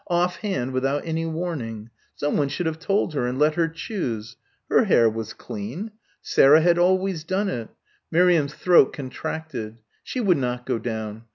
off hand, without any warning ... someone should have told her and let her choose. Her hair was clean. Sarah had always done it. Miriam's throat contracted. She would not go down.